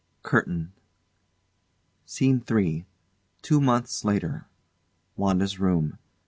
CURTAIN SCENE III. TWO MONTHS LATER WANDA'S room.